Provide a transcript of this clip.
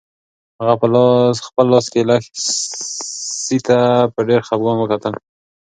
هغه په خپل لاس کې لسی ته په ډېر خپګان وکتل.